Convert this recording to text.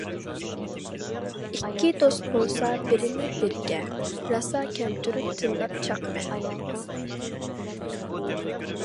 ئىككى دوست بولسا بىرىنى-بىرىگە، راسا كەلتۈرۈپ تىللاپ چاقىمەن.